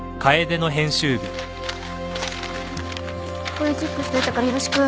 これチェックしといたからよろしく。